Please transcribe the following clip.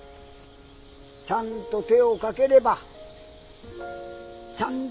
ちゃんと手をかければちゃんとみのる。